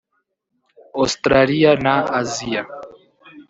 Australia na Asia